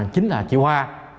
chính là chị qua